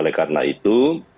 dan karena itu